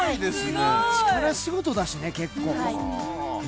力仕事だしね、結構。